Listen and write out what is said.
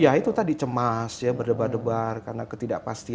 ya itu tadi cemas ya berdebar debar karena ketidakpastian